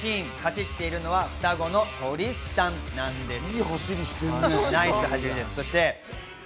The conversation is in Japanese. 走ってるのは双子のトリスタンなんです。